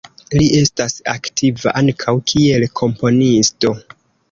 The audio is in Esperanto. Li estas aktiva ankaŭ, kiel komponisto.